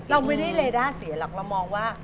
เราไม่ได้เลด้าเสียหรอกเรามองว่า